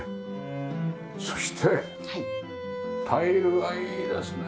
そしてタイルがいいですね！